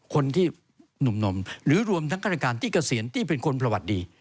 คนที่หนุ่มหรือรวมทั้งฆาตการที่เกษียณที่เป็นคนประวัติดี